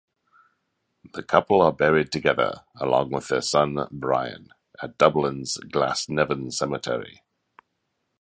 The couple are buried together, along with their son Brian, at Dublin's Glasnevin Cemetery.